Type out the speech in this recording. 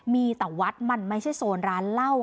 มีแต่วัดมันไม่ใช่โซนร้านเหล้า